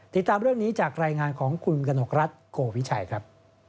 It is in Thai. ติดตามเรื่องนี้จากรายงานของคุณกนกรัฐโกวิชัยครับ